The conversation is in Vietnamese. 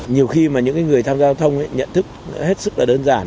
nhiều khi những người tham gia giao thông nhận thức hết sức đơn giản